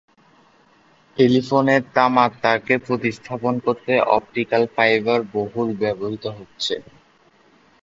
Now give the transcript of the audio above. টেলিফোনের তামার তারকে প্রতিস্থাপন করতে অপটিক্যাল ফাইবার বহুল ব্যবহূত হচ্ছে।